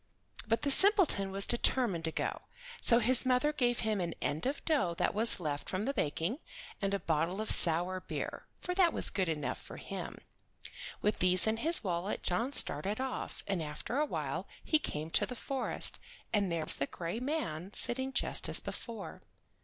But the simpleton was determined to go, so his mother gave him an end of dough that was left from the baking and a bottle of sour beer, for that was good enough for him. With these in his wallet John started off, and after awhile he came to the forest, and there was the gray man sitting just as before.